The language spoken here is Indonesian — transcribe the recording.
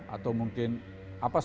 atau mungkin apa saja